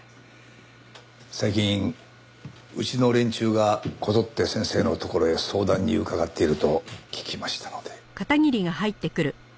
最近うちの連中がこぞって先生のところへ相談に伺っていると聞きましたので。